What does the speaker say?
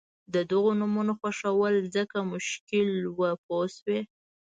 د دغو نومونو خوښول ځکه مشکل وو پوه شوې!.